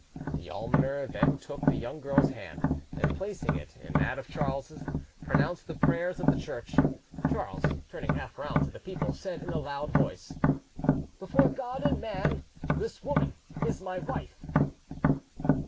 The almoner then took the young girl's hand, and placing it in that of Charles, pronounced the prayers of the Church. Charles, turning half round to the people, said in a loud voice— "Before God and man, this woman is my wife."